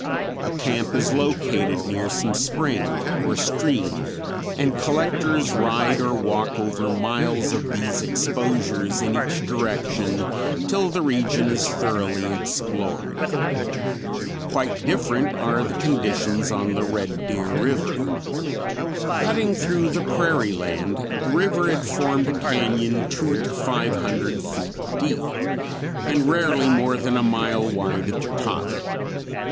A camp is located near some spring or stream and collectors ride or walk over miles of these exposures in each direction till the region is thoroughly explored. Quite different are conditions on the Red Deer River. Cutting through the prairie land the river had formed a cañon two to five hundred feet deep and rarely more than a mile wide at the top.